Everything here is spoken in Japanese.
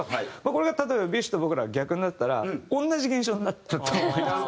これが例えばＢｉＳＨと僕らが逆になってたら同じ現象になったと思います